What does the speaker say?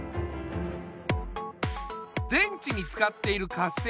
電池に使っている活性炭はつぶ。